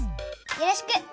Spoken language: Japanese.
よろしく。